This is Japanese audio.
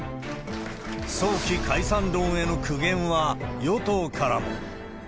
早期解散論への苦言は与党からも。